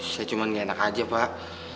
saya cuma gak enak aja pak